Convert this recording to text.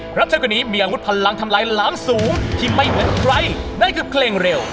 เพราะเธอคนนี้มีอาวุธพลังทำลายล้างสูงที่ไม่เหมือนใครนั่นคือเพลงเร็ว